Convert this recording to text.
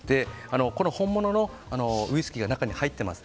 本物のウイスキーが中に入っています。